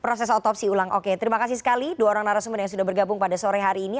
proses otopsi ulang oke terima kasih sekali dua orang narasumber yang sudah bergabung pada sore hari ini